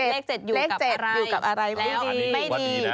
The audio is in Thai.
เลข๗อยู่กับอะไรไม่ดี